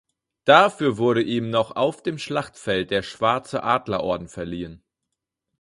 Dafür wurde ihm noch auf dem Schlachtfeld der Schwarze Adlerorden verliehen.